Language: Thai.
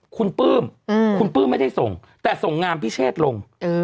คุณปลื้มคุณปลื้มไม่ได้ส่งแต่ส่งงามพิเชษลง